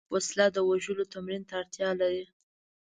وسله د وژلو تمرین ته اړتیا لري